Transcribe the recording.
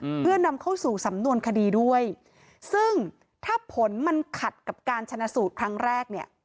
อืมเพื่อนำเข้าสู่สำนวนคดีด้วยซึ่งถ้าผลมันขัดกับการชนะสูตรครั้งแรกเนี่ย